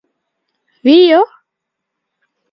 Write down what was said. Video?